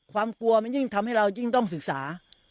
ความกลัวมันยิ่งทำให้เรายิ่งต้องศึกษา